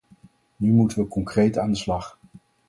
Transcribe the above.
Nu moeten we concreet aan de slag.